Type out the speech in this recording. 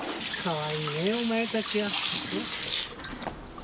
かわいいねぇお前たちは。